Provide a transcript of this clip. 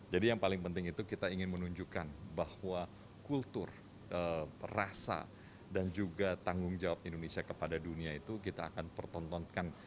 jadi yang paling penting itu kita ingin menunjukkan bahwa kultur rasa dan juga tanggung jawab indonesia kepada dunia itu kita akan pertontonkan